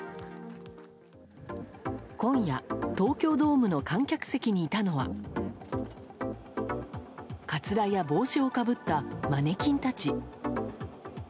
今夜、東京ドームの観客席にいたのはかつらや帽子をかぶったマネキンたち。